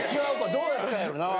どうやったんやろなあ。